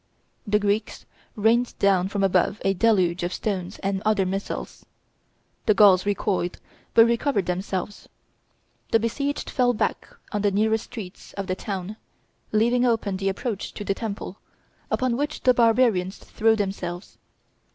The Greeks rained down from above a deluge of stones and other missiles. The Gauls recoiled, but recovered themselves. The besieged fell back on the nearest streets of the town, leaving open the approach to the temple, upon which the barbarians threw themselves.